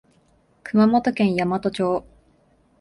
熊本県山都町